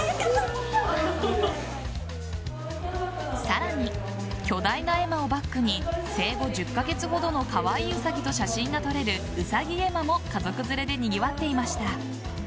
さらに、巨大な絵馬をバックに生後１０カ月ほどのカワイイウサギと写真が撮れるうさぎ絵馬も家族連れでにぎわっていました。